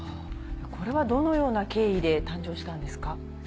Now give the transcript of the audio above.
これはどのような経緯で誕生したんですか？